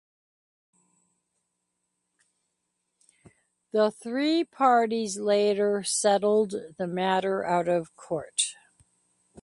The three parties later settled the matter out of court.